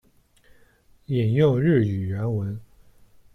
引用日语原文